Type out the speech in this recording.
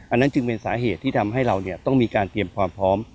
อันนั้นจึงเป็นสาเหตุที่ทำให้เราต้องมีการเตรียมความพร้อม